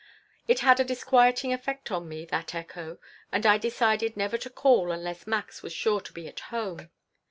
It had a disquieting effect on me, that echo, and I decided never to call unless Max was sure to be at home.